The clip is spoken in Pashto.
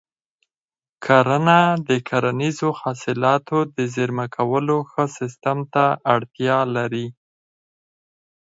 کرنه د کرنیزو حاصلاتو د زېرمه کولو ښه سیستم ته اړتیا لري.